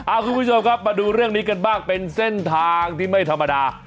คุณผู้ชมครับมาดูเรื่องนี้กันบ้างเป็นเส้นทางที่ไม่ธรรมดา